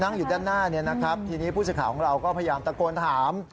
นั่งอยู่ด้านหน้าทีนี้ผู้ชิคขาของเราก็พยายามตะโกนถาม